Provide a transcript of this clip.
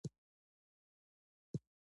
د پلان شنډولو مکمل اسناد